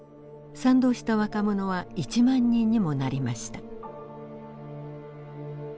賛同した若者は１万人にもなりました。